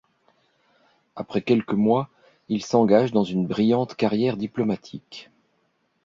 Après quelques mois, il s’engage dans une brillante carrière diplomatique.